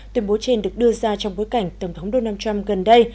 tuyên bố trên được đưa ra trong bối cảnh tổng thống donald trump gần đây